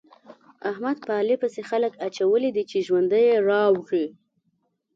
احمد په علي پسې خلګ اچولي دي چې ژوند يې راوړي.